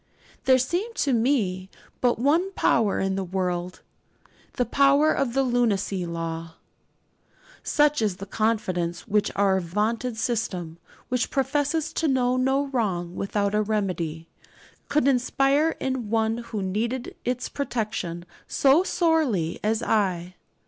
There seemed to me but one power in the world the power of the lunacy 'law.' Such is the confidence which our vaunted system, which professes to know no wrong without a remedy, could inspire in one who needed its protection so sorely as I.